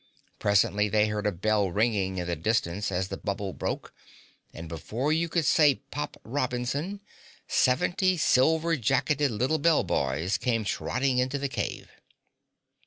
Presently they heard a bell ringing in the distance as the bubble broke, and before you could say Pop Robinson seventy silver jacketed little bell boys came trotting into the cave.